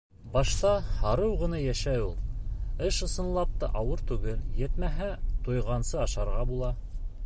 Башта арыу ғына йәшәй ул. Эш, ысынлап та, ауыр түгел, етмәһә, туйғансы ашарға була.